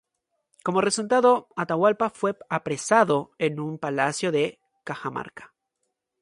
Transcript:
Como resultado Atahualpa fue apresado en un palacio de Cajamarca.